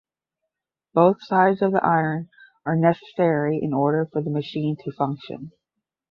Both sides of the iron are necessary in order for the machine to function.